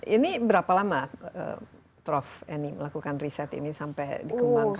ini berapa lama prof eni melakukan riset ini sampai dikembangkan